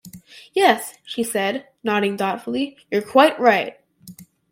"Yes," she said, nodding thoughtfully, "you're quite right."